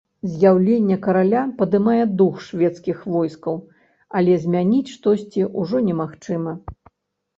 З'яўленне караля падымае дух шведскіх войскаў, але змяніць штосьці ўжо немагчыма.